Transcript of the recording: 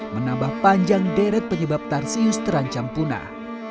menambah panjang deret penyebab tarsius terancam punah